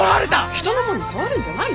人のもんに触るんじゃないよ。